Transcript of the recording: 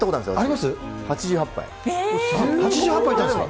８８杯いったんですか？